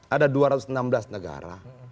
ada dua ratus enam belas negara